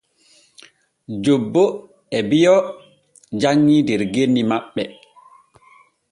Jobbo e biyo janŋi der genni maɓɓe.